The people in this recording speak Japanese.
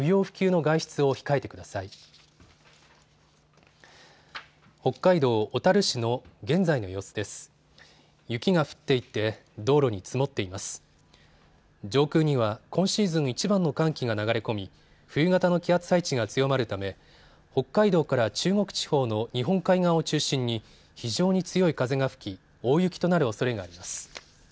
上空には今シーズンいちばんの寒気が流れ込み冬型の気圧配置が強まるため北海道から中国地方の日本海側を中心に非常に強い風が吹き大雪となるおそれがあります。